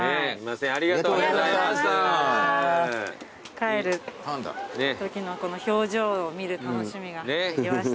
帰るときのこの表情を見る楽しみができました。